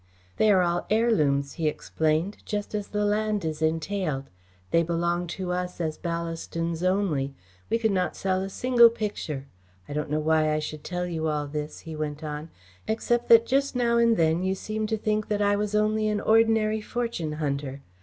"They are all heirlooms," he explained, "just as the land is entailed. They belong to us as Ballastons only. We could not sell a single picture. I don't know why I should tell you all this," he went on, "except that just now and then you seem to think that I was only an ordinary fortune hunter.